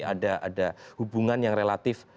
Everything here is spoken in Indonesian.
jadi ada hubungan yang relatif